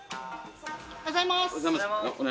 おはようございます！